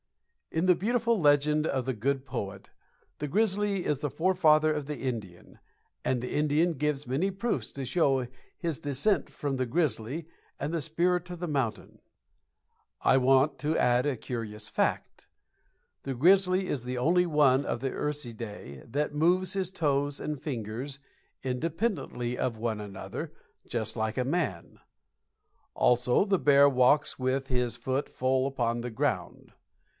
In the beautiful legend of the Good Poet the grizzly is the forefather of the Indian, and the Indian gives many proofs to show his descent from the grizzly and the Spirit of the Mountain. I want to add a curious fact: The grizzly is the only one of the Ursidae that moves his toes and fingers independently of one another just like a man. Also the bear walks with his foot full upon the ground.